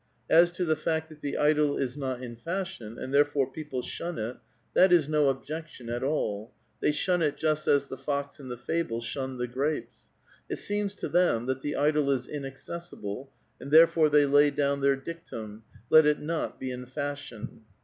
As to the fact that the idyl is not in fashion, and therefore people shun it, that is no objection at all ; they shun it just as the fox in the fable shunned the grapes. It seems to them that the idyl is inaccessible, and therefore they lay down their dictum: *' Let it not be in fashion."